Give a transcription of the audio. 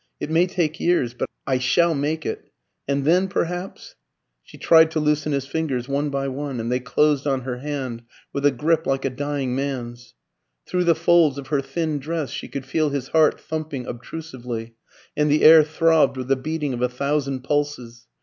It may take years, but I shall make it. And then, perhaps " She tried to loosen his fingers one by one, and they closed on her hand with a grip like a dying man's. Through the folds of her thin dress she could feel his heart thumping obtrusively, and the air throbbed with the beating of a thousand pulses.